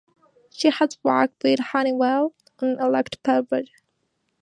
She has worked with Honeywell on electrodeposition of metal coatings to enhance their protection.